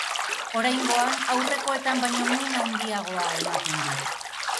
Oraingoan, aurrekoetan baino min handiagoa ematen dit.